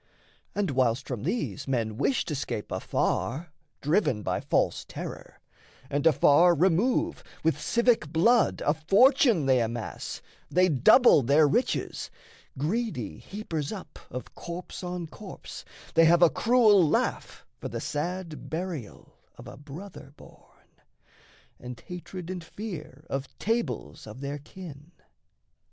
And whilst, from these, men wish to scape afar, Driven by false terror, and afar remove, With civic blood a fortune they amass, They double their riches, greedy, heapers up Of corpse on corpse they have a cruel laugh For the sad burial of a brother born, And hatred and fear of tables of their kin.